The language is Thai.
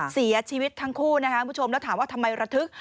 เสียชีวิตทั้งคู่นะคะแล้วถามว่าทำไมระทึก